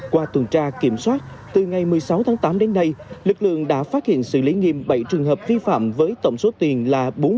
qua tuần tra kiểm soát từ ngày một mươi sáu tháng tám đến nay lực lượng đã phát hiện xử lý nghiêm bảy trường hợp vi phạm với tổng số tiền là bốn mươi một triệu năm trăm linh nghìn đồng